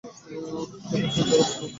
ছোট্ট থান্ডার, ওহ না!